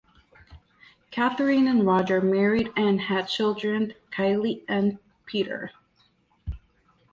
Catherine and Roger married and had children Kylie and Peter.